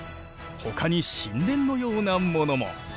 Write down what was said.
ほかに神殿のようなものも。